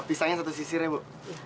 pisangnya satu sisir ya bu